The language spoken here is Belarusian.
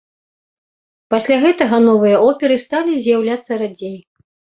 Пасля гэтага новыя оперы сталі з'яўляцца радзей.